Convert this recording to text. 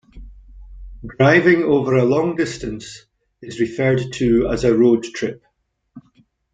Driving over a long distance is referred to as a road trip.